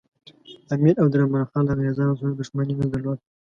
امیر عبدالرحمن خان له انګریزانو سره دښمني نه درلوده.